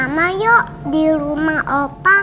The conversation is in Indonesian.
ketemu mama yuk di rumah opa